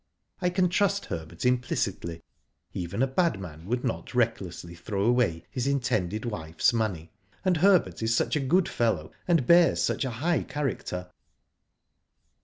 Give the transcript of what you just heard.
I can trust Herbert implicitly. Even a bad man would not recklessly throw away his intended wife's money, and Herbert is such a good fellow, and bears such a high character.'